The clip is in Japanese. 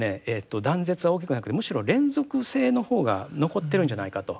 断絶は大きくなくてむしろ連続性の方が残っているんじゃないかと。